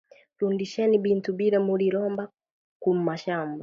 Rudisheni bintu bile muri lomba ku mashamba